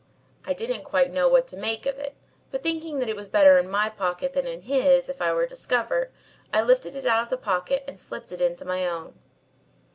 I didn't quite know what to make of it, but thinking that it was better in my pocket than in his if I were discovered, I lifted it out of the pocket and slipped it into my own.